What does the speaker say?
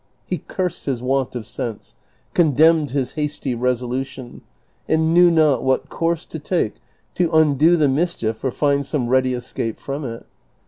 He cursed his want of sense, condemned his hasty resolution, and knew not what course to take to undo the mischief or find some ready escape from it.